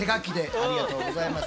ありがとうございます。